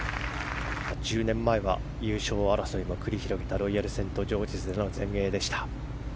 １０年前は優勝争いを繰り広げたロイヤルセントジョージズでの全英でした。